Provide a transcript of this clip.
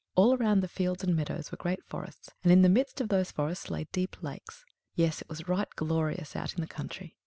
All around the fields and meadows were great forests, and in the midst of these forests lay deep lakes. Yes, it was right glorious out in the country.